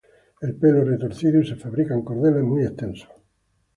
El pelo es retorcido y se fabrican cordeles muy extensos.